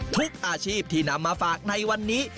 ทุกอาชีพที่นำมาฝากในวันนี้